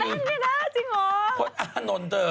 เต้นเงียบหน้าจริงเหรอ